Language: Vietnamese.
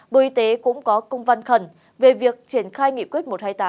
bộ y tế cũng có công văn khẩn về việc triển khai nghị quyết một trăm hai mươi tám